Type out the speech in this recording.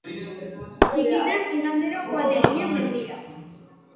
Txikitan, igandero joaten ginen mendira.